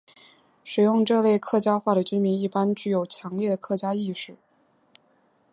使用这类客家话的居民一般具有强烈的客家意识。